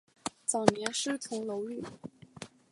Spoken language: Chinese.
早年师从楼郁。